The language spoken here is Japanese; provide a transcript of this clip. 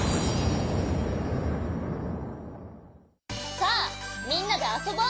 さあみんなであそぼう！